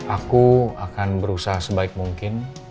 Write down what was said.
aku akan berusaha sebaik mungkin